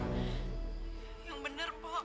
yang bener bu